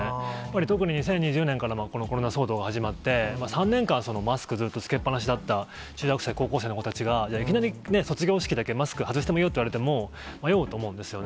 特に２０２０年からコロナ騒動が始まって、３年間、そのマスクずっと着けっぱなしだった中学生、高校生の子たちが、じゃあいきなり、卒業式だけマスク外してもいいよって言われても、迷うと思うんですよね。